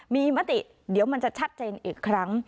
มีมติเดี๋ยวมันจะชัดเจนอีกครั้ง